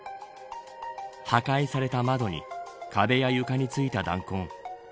破壊された窓に壁や床についた弾痕。